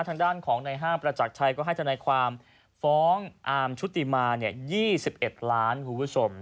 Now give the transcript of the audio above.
ทางด้านของในห้างประจักษ์ชัยก็ให้ทำในความฟ้องอามชุติมาเนี่ยยี่สิบเอ็ดล้านหูผู้ชม